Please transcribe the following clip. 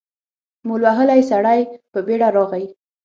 مول وهلی سړی په بېړه راغی.